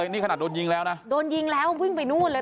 นี่ขนาดโดนยิงแล้วนะโดนยิงแล้ววิ่งไปนู่นเลย